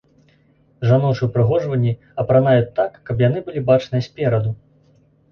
Жаночыя ўпрыгожванні апранаюць так, каб яны былі бачныя спераду.